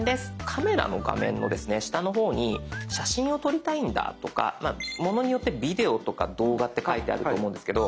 カメラの画面の下の方に写真を撮りたいんだとかものによってビデオとか動画って書いてあると思うんですけど